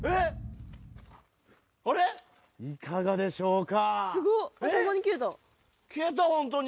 いかがでしょうか？